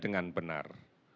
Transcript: dan gunakan masker yang benar